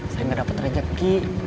sering ngedapet rezeki